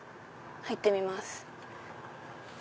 入ってみます。